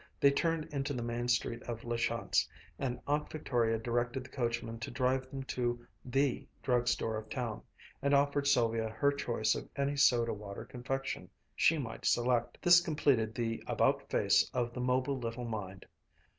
They turned into the main street of La Chance, and Aunt Victoria directed the coachman to drive them to "the" drug store of town, and offered Sylvia her choice of any soda water confection she might select. This completed the "about face" of the mobile little mind.